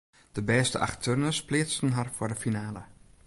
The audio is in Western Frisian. De bêste acht turners pleatsten har foar de finale.